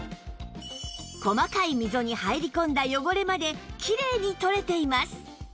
細かい溝に入り込んだ汚れまできれいに取れています